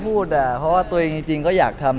คือไม่กล้าพูดเพราะว่าตัวเองจริงก็อยากทำ